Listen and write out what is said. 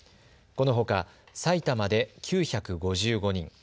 このほか埼玉で９５５人。